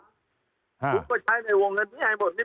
ทุกคนใช้ในวงเงินนี้ให้หมด